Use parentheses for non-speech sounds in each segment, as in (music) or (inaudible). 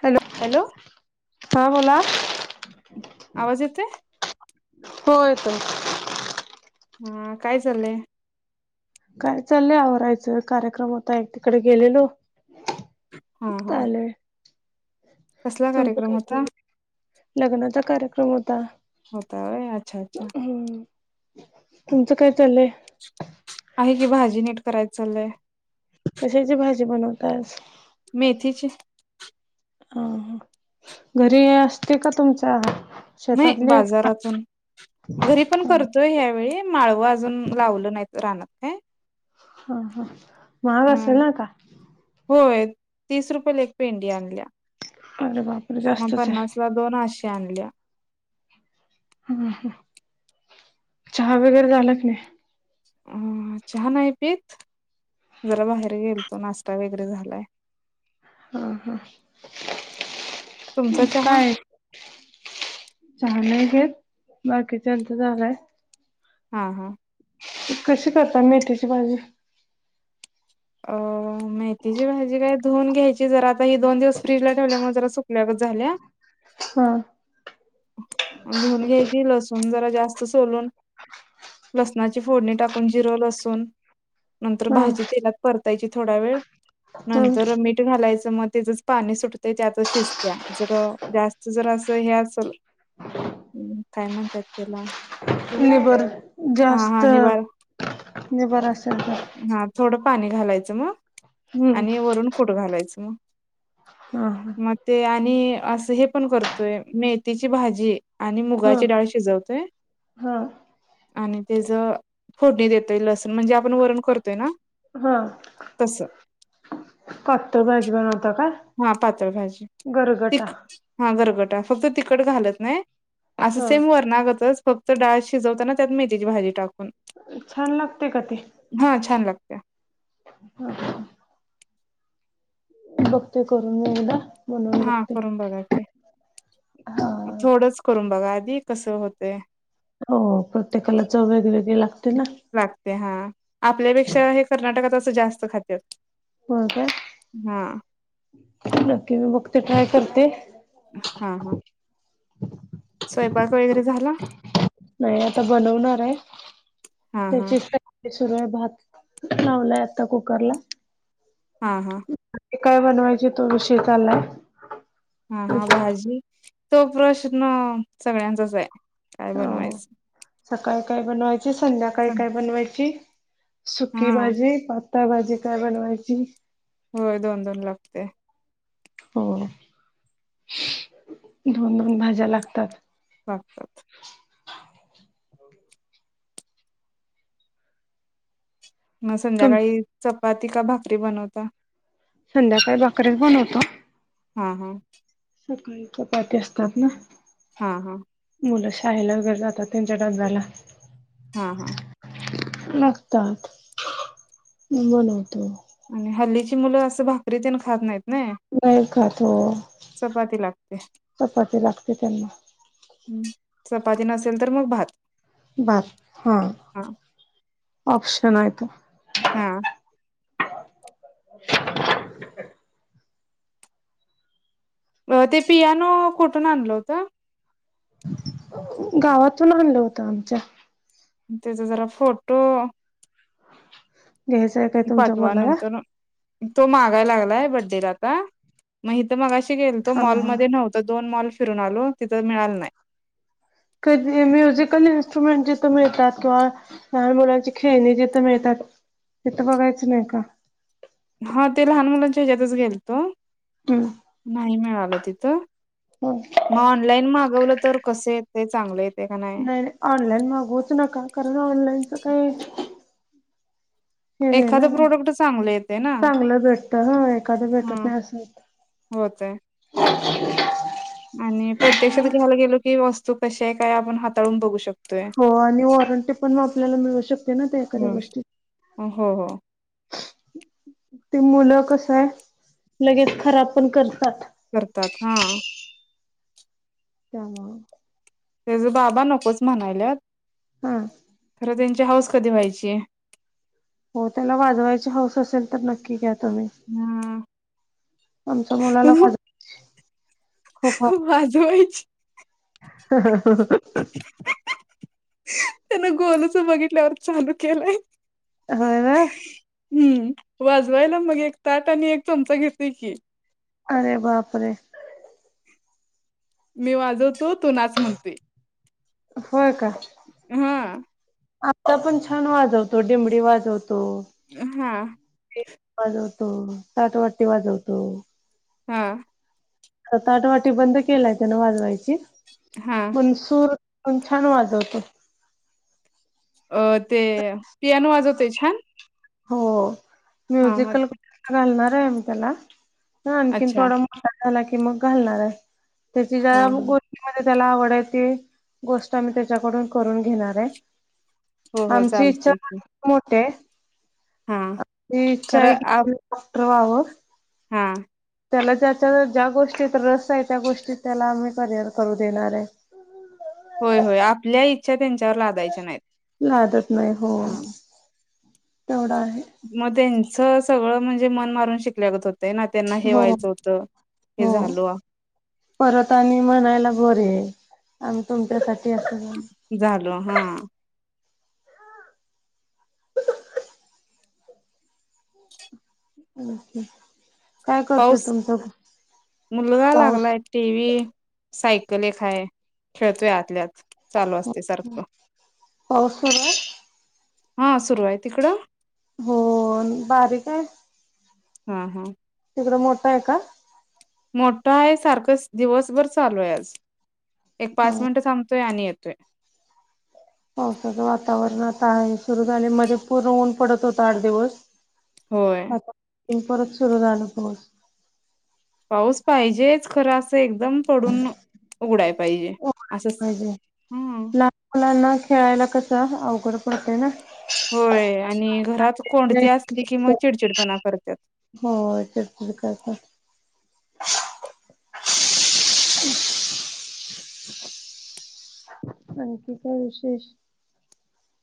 Hello हां बोला आवाज येतयं हो येतोय हा काय चाललंय? काय चाललंय आवरायचं कार्यक्रम होता एक तिकडे गेलेलो हा हा आलोय कसला तुमचं कार्यक्रम काय होता चाललंय? लग्नाचा कार्यक्रम होता. होता व्हय अच्छा अच्छा हूं तुमचं काय चाललंय? आहे कि भाजी नीट करायच चाललंय. कशाची भाजी बनवताय मेथीची ह हा घरी असते का तुमच्या नाही शेतातले हा बाजारातून घरीपण करतोय यावेळी माळवं अजून लावलं नाहीत रानात काय? हा हा महाग असेल अ नाही का? होय तीस रुपयेला एक पेंडी आणल्या. अरे बाप मग पन्नास ला दोन अश्या आणल्या. हूं हू चहा वगैरे झालं की नाही? हं हं चहा नाही पीत जरा बाहेर गेलतो नाश्ता वगैरे झालायं. हा हा, (inaudible) म तुमचा चहा काय? चहा नाही घेत बाकीच्याच झालायं. हा हा. कशी करता मेथीची भाजी? अ मेथीची भाजी काय धुऊन घ्यायची जरा आता ही दोन दिवस फ्रीजला ठेवल्यामुळं जरा सुकल्या गत झाल्या. हा. आण‌ धुवून घ्यायची, लसूण जरा जास्त सोलून. लसणाची फोडणी टाकून जिरं, लसूण. नंतर हा भाजी तेलात परतायची थोडा वेळ. हा नंतर मीठ मीठ घालायचं मग तेजच पाणी सुटतंय त्यातच शिजत्या जरा जास्त जरास हे असलं हं काय म्हणत्यात त्याला निबर हा जास्त हा निवार निबर असेल तर हा थोडं पाणी घालायचं मग हम्म आणि वरून कुट घालायचं मग. हा हा. मग ते आणि असं हे पण करतोय मेथीची भाजी आणि हा मुगाची डाळ शिजवतोय. (inaudible) हा आणि तेज फोडणी देतोय लसण म्हणजे आपण वरण करतोय ना हा, तसं (inaudible) पातळ भाजी बनवता काय? हा पातळ भाजी, तीकट, हा गरगटा फक्त तिकट घालत नाही. असं हा सेम वरना गतच फक्त डाळ शिजवताना त्यात मेथीची भाजी टाकून. छान लागतंय का ते? हा छान लागत्या. (inaudible) (unintelligible) बघतो करून मी एकदा. बनवून हा बघते. करून बघा की. हा थोडचं करून बघा आधी कसं होतय. हो प्रत्येकाला चव वेगवेेगळी लागतो ना. ते हा, आपल्यापेक्षा हे कर्नाटकातं असं जास्त खात्यात. होय काय? हा (inaudible) नक्की मी बघते, ट्राय करते. हा हा. स्वयंपाक वगैरे झाला? नाही आता बनवणार आहे, हा हा त्याचीच त सुरु आहे भात लावलाय आता कुकर ला. हा हा. काय बनवायचे तो विषेतलाय. हा हा भाजी, तो प्रश्न सगळ्यांचाच आहे काय हो बनवायचं. सकाळी काय बनवायची? संध्याकाळी काय बनवायची? सुकी हा भाजी. त्या भाजी काय बनवायची? होय दोन-दोन लागते. हो, दोन-दोन भाज्या लागतात. वागतात. मग तुम संध्याकाळी चपाती का भाकरी बनवता? संध्याकाळी भाकरीच बनवतो. हा हा. सकाळी चपाती असतात ना. हा हा. मुल शाळेला वगैरे जातात त्यांच्या डब्याला हा हा नसतात मी बनवतो आणि हल्लीची मुल अस भाकरी तिन खात नाहीत नय नाही खात व्हय लागते चपाती लागते त्यांना हम्म चपाती नसेल तर मग भात बर हा हा ऑप्शन आहे तो हा (unintelligible) ते पियानो कुठून आणल होत गावातून आणल होत आमच्या तेज जरा फोटो निसत पाठवा नंतरन तो मागालागलाय बडेला आता मग हित मगाशी तिथं गेलतो हा मॉल हा मध्ये नव्हत दोन मॉल फिरून आलो तिथं मिळाल नाही. कधी म्युझिकल इन्स्ट्रुमेंट जिथ मिळतात किंवा लहान मुलांची खेळणी जिथ मिळतात तिथ बघायच नाही का हा ते लहान मुलांच्या ह्याच्यातच गेल तो हम्म नाही मिळाल तिथ हो मग ऑनलाईन मागवल तर कस येतय चांगल येतय नाही ऑनलाईन मागवूच नका कारण ऑनलाईनच काही नाही एखाद ना प्रोडक्ट चांगले येते ना चांगलं भेटत ह एखादं भेटत ह नाही असं होत. होतय आणि प्रत्यक्षात घ्यायला गेलो की वस्तू कशी आहे काय आपण हाताळून बघू शकतो. हो आणि वॉरंटी पण आपल्याला मिळू शकते ना त्या एखाद्या गोष्टीत हो हो ते मुलं कस आहे लगेच खराब पण करतात करतात हा त्यामुळ त्याच बाबा नकोच म्हणायल्यात हा खरं त्यांची हाऊस कधी व्हायची. हो त्याला वाजवायची हौस असेल तर नक्की घ्या तुम्ही. हा आमच्या मुलाला माझं वाजवायची (unintelligible) त्यान गोलूच बघितल्यावर चालू केलाय होय (unintelligible) हम्म वाजवायला मग एक ताट आणि एक चमचा घेतय की अरे बापरे मी वाजवतो तू नाच म्हणतोय होय का हा आता पण छान वाजवतो डिंमडी वाजवतो. हा पेटी वाजवतो ताट वाटी वाजवतो हा आता ताट वाटी बंद केलाय त्यान वाजवायची हा पण सूर पण छान वाजवतो. अ ते पियानो वाजवतोय छान. हो हा हा म्युझिकल क्लासला घालणार आहे मी त्याला हा, आणखीन अच्छा थोडा. मोठा झाला की, मग घालणार आहे त्याची हा जरा गो''--'' ष्टीमध्ये त्याला आवड आहे ती गोष्ट आम्ही त्याच्याकडून करून घेणार आहे. हो हो आमची इच्छा चालतय की पण मोठी आहे. हा आमची इच्छा खरं आहे की आप तो डॉक्टर व्हावं. हा, त्याला ज्याच्या ज्या गोष्टीत रस आहे. त्या गोष्टीत त्याला आम्ही करिअर करू देणार आहे. होय होय आपल्या इच्छा त्यांच्यावर लादायच्या नाहीत. लादत नाही हो हम्म, तेवढा आहे. मग त्यांच सगळं म्हणजे मन मारून शिकल्यागत होतंय ना. त्यांना हे हो व्हायचं होत हे हो झालो. परत आणि म्हणायला बरीये आम्ही तुमच्यासाठी असं झालो. झालो हा, (inaudible) अ ''हं'' पाऊस मुलगा पाऊस लागलाय. टीव्ही सायकल एक आहे. खेळतोय आतल्या आत. चालू असतंय सारखं पाऊस सुरू आहे हा, सुरू आहे तिकडं. हो, अन बारीक आहे. हा हा, तिकडं मोठा आहे का? मोठा आहे सारखचं दिवसभर चालू आहे. आज एक पाच ह मिनिट थांबतोय आणि येत ''--'' तोय. पावसाचं वातावरण आता आणि सुरू झालंय मध्ये पूर्ण ऊन पडत होत आठ दिवस. होय आता परत सुरू झाला पाऊस. पाऊस पाहिजेचं खरं अस. फक्त एकदम पडून उघडाय पाहिजे असं स पाहिजे हम्म, लहान मुलांना खेळायला कस अवघड पडतंय ना. होय आणि घरात कोंडती असली की, मग चिडचिडपणा करत्यात. होय चिडचिड करत्यात. आणखी काय विशेष.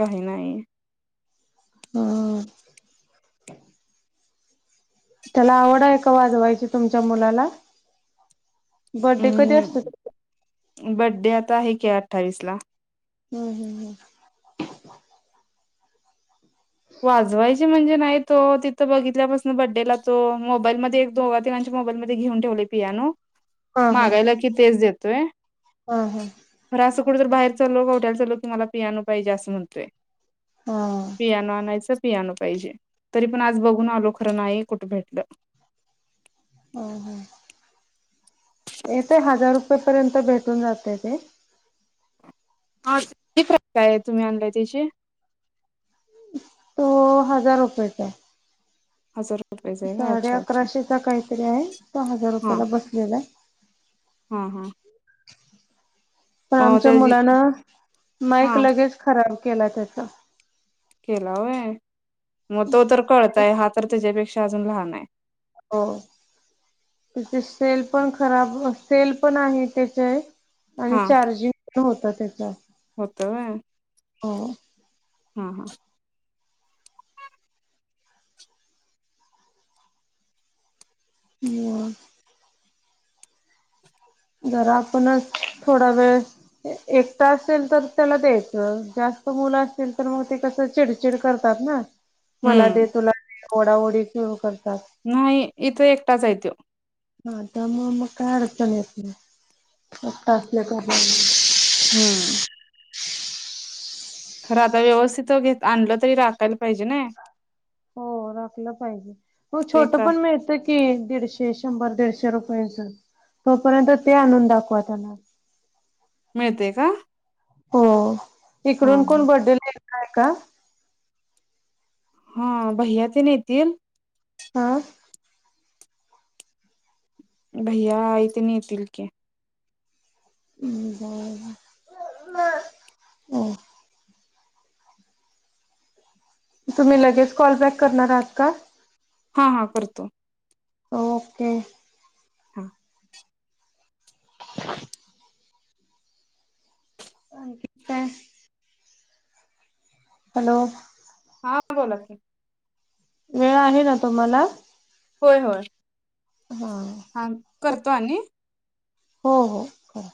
काही नाही. हा, त्याला आवड आहे. का वाजवायची तुमच्या मुलाला बड्डे कधी असतोय तुम ''--'' हम्म बड्डे आता आहे की अठ्ठावीस ला. हम्म हम्म हम्म, वाजवायची म्हणजे नाही तो तिथं बघितल्यापासून बड्डेला तो मोबाईलमध्ये. दोघा तिघांच्या मोबाईल मध्ये घेऊन ठेवलेय पियानो हा हा मागायला की, तेच देतोय. हा हा, खर असं कुठ तर बाहेरचा कवट्याला चाललो मला पिनो पाहिजे असं म्हणतय. हा पियानो आणायचं. पियाण पाहिजे तरी पण आज बघून आलो खरं नाही कुठे भेटलं. आ ह, येतय हजार रुपये पर्यंत भेटून जाते ते. हाती फ काय आहे तुम्ही आणलाय त्याची तो हजार रुपयचा आहे. हजार रुपयाच आहे का साडे अच्छा अच्छा अकराशेचा काहीतरी आहे तो हजार हा रुपयाला बसलेला आहे. हा हा पण अ आमच्या त्याची मुलान माईक हा लगेच खराब केला त्याचा. केला होय मग तो तर कळताय हा तर त्याच्यापेक्षा अजून लहान आहे. हो त्या सेल पण खराब सेल पण आहे त्याचे आणि हा चार्जिंग पण होत त्याचा. होत व्हय. अ हा हा हो जरा आपणच थोडा वेळ. एकता असेल तर त्याला द्यायचं जास्त मुलं असल तर मग ते कसं चिडचिड करतात ना ह मला दे तुला ओडाओडी सुरू करतात. नाही इथं एकटाच हाय तो. हाता मग मग काय अडचण येत नाही फत्त असल्या हम्म खर आता व्यवस्थित घेत आणलं तरी राखायला पाहिजे ना हो राखलं पाहिजे मग ते छोटं काय पण मिळत. ते दीडशे शंभर दीडशे रुपयांच तोपर्यंत ते आणून दाखवा त्यांना मिळते का? हो हा इकडून कोण बरडे लिला आहे का हा भैयाचे न येतील. हा भैया आई तेणी येतील की. हम जा तुम्ही लगेच कॉल बॅक करणार आहात का? हा हा करतो. ओके. हा. आणखी काय हॅलो! हा बोला की. वेळ आहे ना तुम्हाला? होय होय. हा. हां करतो आणि. हो हो. करा